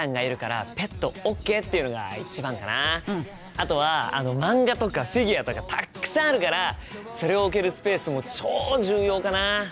あとは漫画とかフィギュアとかたっくさんあるからそれを置けるスペースも超重要かな！